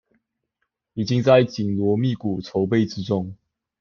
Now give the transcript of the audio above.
已經在緊鑼密鼓籌備之中